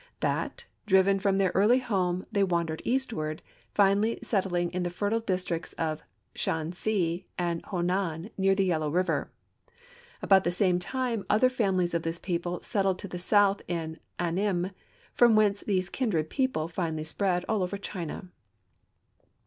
That, driven from their early home, they wandered eastward, finally settling in the fertile districts of Shansi and Honan, near the Yellow river. About the same time, other families of this people settled to the south in Annim, from whence these kindred people finally spread over all China.